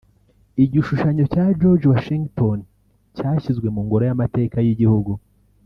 igishushanyo cya George Washington cyashyizwe mu ngoro y’amateka y’igihugu